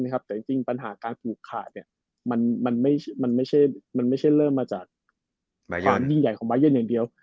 แต่จริงปัญหาการเปลี่ยนนี่มันไม่ได้จะเริ่มมาจากความยิ่งใหญ่ของไบโยนอย่างเดียว